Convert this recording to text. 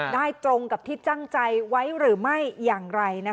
ตรงกับที่ตั้งใจไว้หรือไม่อย่างไร